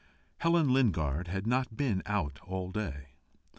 Helen Lingard had not been out all day.